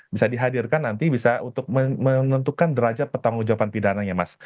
bisa dihadirkan nanti bisa untuk menentukan derajat pertanggung jawaban pidananya mas